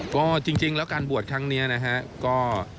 ก็จริงแล้วการบวชครั้งนี้นะฮะก็